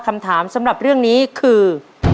คำถามสำหรับเรื่องนี้คือ